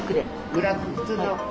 ブラック普通の？